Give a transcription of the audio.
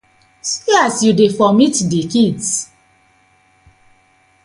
See as yu dey vomit dey kdis.